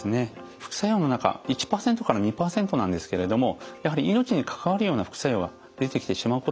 副作用の中１％から２％なんですけれどもやはり命に関わるような副作用が出てきてしまうことがあります。